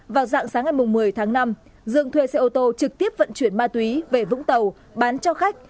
vào dạng sáng ngày một mươi tháng năm dương thuê xe ô tô trực tiếp vận chuyển ma túy về vũng tàu bán cho khách